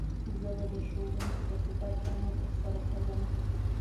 زه به د ښوونکي په صفت دنده تر سره کووم